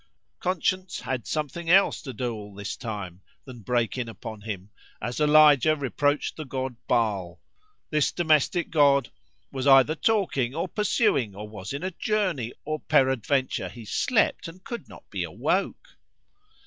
Conscience had something else to do all this time, than break in upon him; as Elijah reproached the god Baal,——this domestic god _was either talking, or pursuing, or was in a journey, or peradventure he slept and could not be awoke.